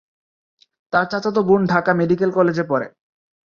তার চাচাতো বোন ঢাকা মেডিকেল কলেজে পড়ে।